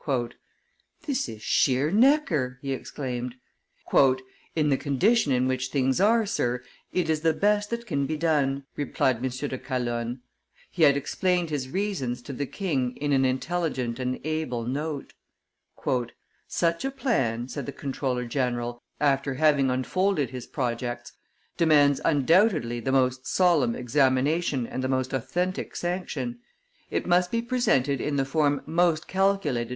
"This is sheer Necker!" he exclaimed. "In the condition in which things are, Sir, it is the best that can be done," replied M. de Calonne. He had explained his reasons to the king in an intelligent and able note. "Such a plan," said the comptroller general, after having unfolded his projects, "demands undoubtedly the most solemn examination and the most authentic sanction. It must be presented in the form most calculated.